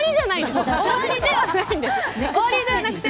終わりではないんです。